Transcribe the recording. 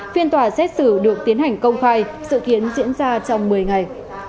phiên tòa xét xử được tiến hành công khai dự kiến diễn ra trong một mươi ngày